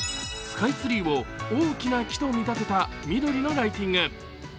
スカイツリーを大きな木と見立てた緑のライティング。